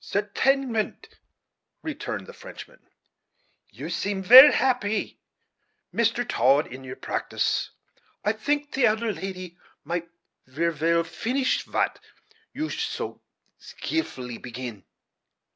"Certainement," returned the Frenchman; "you seem ver happy, Mister Todd, in your pratice. I tink the elder lady might ver well finish vat you so skeelfully begin."